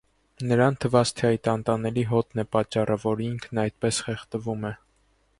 Նրան թվաց, թե այդ անտանելի հոտն է պատճառը, որ ինքն այդպես խեղդվում է: